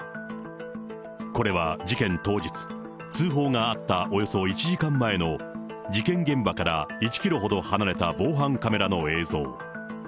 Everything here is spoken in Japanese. これは事件当日、通報があったおよそ１時間前の事件現場から１キロほど離れた防犯カメラの映像。